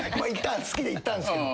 好きで行ったんすけど。